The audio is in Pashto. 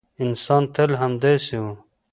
انسان تل همداسې و.